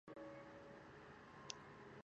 Yan kurdistan yan neman.